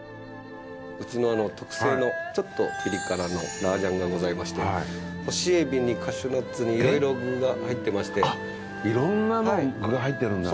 うちの特製のちょっとピリ辛のラージャンがございまして干しエビにカシューナッツにいろいろ具が入ってましていろんな具が入ってるんだ。